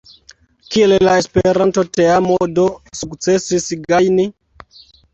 Kiel la Esperanto-teamo do sukcesis gajni?